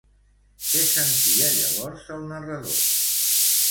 Què sentia llavors el narrador?